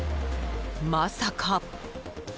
まさか。